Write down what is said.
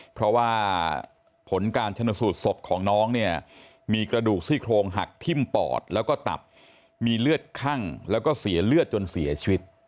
เพราะว่าผลการชนสูตรศพของน้องเนี่ยมีกระดูกซี่โครงหักทิ้มปอดแล้วก็ตับมีเลือดคั่งแล้วก็เสียเลือดจนเสียชีวิต